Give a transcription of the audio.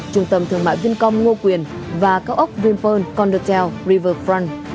trung tâm thương mại viên công ngo quyền và các ốc vinpearl condotel riverfront